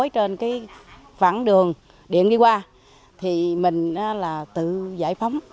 trên cái phẳng đường điện đi qua thì mình là tự giải phóng